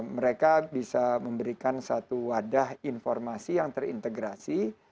mereka bisa memberikan satu wadah informasi yang terintegrasi